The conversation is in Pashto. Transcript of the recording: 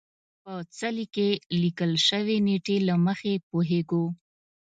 په څلي کې لیکل شوې نېټې له مخې پوهېږو.